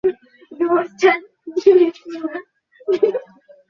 ফোনে প্রায়ই মুছার সঙ্গে বাবুল আক্তারের কথা হতো বলে দাবি করেন তিনি।